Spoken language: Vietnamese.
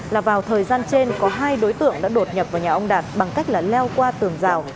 là vào thời gian trên có hai đối tượng đã đột nhập vào nhà ông đạt bằng cách là leo qua tường rào